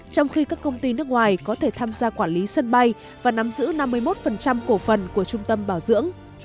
trong khi các công ty nước ngoài có thể tham gia quản lý sân bay và nắm giữ năm mươi một cổ phần của trung tâm bảo dưỡng